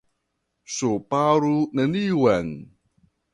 Ŝparu neniun!